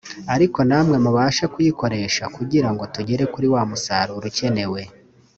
ariko namwe mubashe kuyikoresha kugira ngo tugere kuri wa musaruro ukenewe